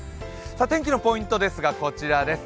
天気のポイントですが、こちらです。